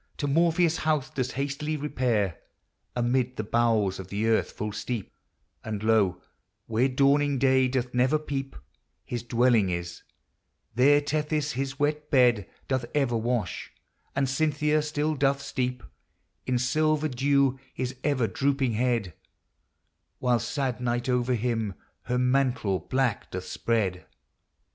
115 To Morpheus, house doth hastily repaire, Amid the bowels of the earth full steepe, And low, where dawning day doth never peepe, His dwelling is ; there Tethys his wet bed Doth ever wash, and Cynthia still doth steepe In silver deaw his ever drouping hed, Whiles sad Night over him her mantle black doth spred.